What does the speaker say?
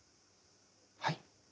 はい？